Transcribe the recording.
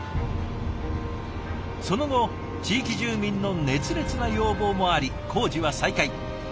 その後地域住民の熱烈な要望もあり工事は再開。